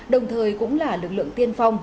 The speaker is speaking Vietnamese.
đồng thời cũng là lực lượng tiên phong